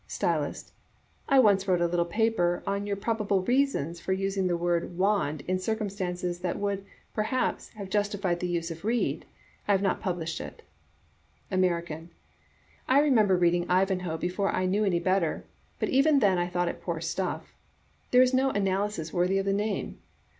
" Stylist, — "I once wrote a little paper on your proba ble reasons for using the word *wand* in circumstances that would, perhaps, have justified the use of *reed. ' I have not published it." American, —" I remember reading 'I vanhoe' before I knew any better, but even then I thought it poor stuff. There is no analysis worthy of the name.